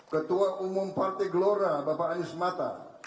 ketua umum partai gelora bapak anies mata